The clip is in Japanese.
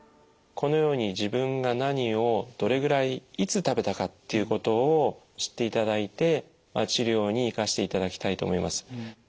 このように自分が何をどれぐらいいつ食べたかっていうことを知っていただいて治療に生かしていただきたいと思います。